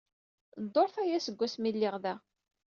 Dduṛt aya seg wasmi ay lliɣ da.